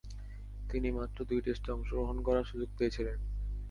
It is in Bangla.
তিনি মাত্র দুই টেস্টে অংশগ্রহণ করার সুযোগ পেয়েছিলেন।